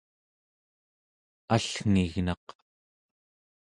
allngignaq